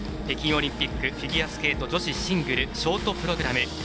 北京オリンピックフィギュアスケート女子シングルショートプログラム。